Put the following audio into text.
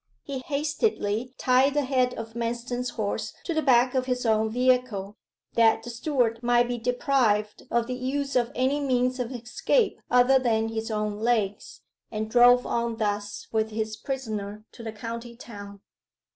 He hastily tied the head of Manston's horse to the back of his own vehicle, that the steward might be deprived of the use of any means of escape other than his own legs, and drove on thus with his prisoner to the county town.